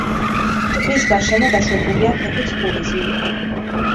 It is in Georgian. ტბის გარშემო დაშვებულია ფეხით ტურიზმი.